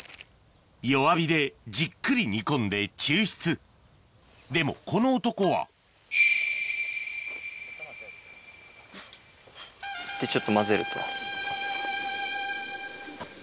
弱火でじっくり煮込んで抽出でもこの男はでちょっと混ぜると。